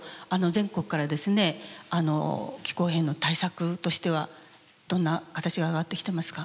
全国からですね気候変動対策としてはどんな形が上がってきてますか？